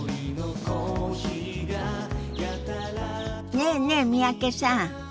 ねえねえ三宅さん。